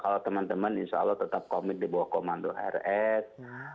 kalau teman teman insya allah tetap komit di bawah komando rs